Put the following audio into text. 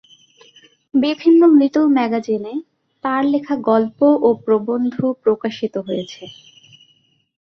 বিভিন্ন লিটল ম্যাগাজিনে তাঁর লেখা গল্প ও প্রবন্ধ প্রকাশিত হয়েছে।